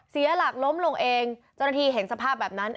เสียหลักล้มลงเองเจ้าหน้าที่เห็นสภาพแบบนั้น